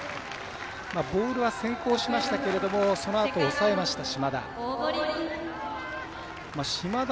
ボールは先行しましたけれどそのあと抑えました、島田。